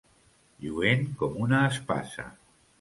Lluent com una espasa.